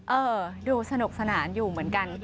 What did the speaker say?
เออดูสนุกสนานอยู่เหมือนกัน